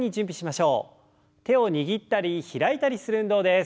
手を握ったり開いたりする運動です。